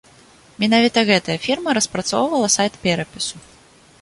Менавіта гэтая фірма распрацоўвала сайт перапісу.